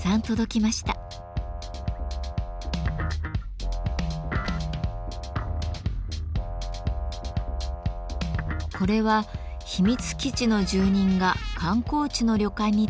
これは「秘密基地の住人が観光地の旅館に泊まったら」という作品。